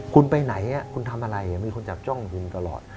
คุณไปไหนคุณทำอะไรมีคนจับจ้องคุณตลอด